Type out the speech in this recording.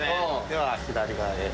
では左側へ。